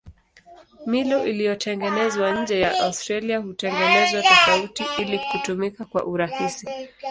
Milo iliyotengenezwa nje ya Australia hutengenezwa tofauti ili kutumika kwa urahisi.